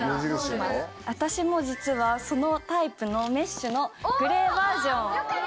私も実はそのタイプのメッシュのグレーバージョン。